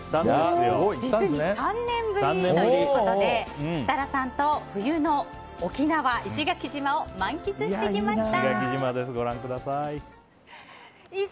実に３年ぶりということで設楽さんと冬の沖縄石垣島を満喫してきました。